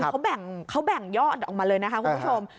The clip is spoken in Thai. เขาแบ่งยอดออกมาเลยนะคะคุณผู้ชม